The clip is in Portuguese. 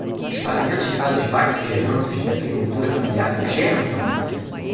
Os pagamentos derivados de pactos de heranças da agricultura familiar não geram esse aumento.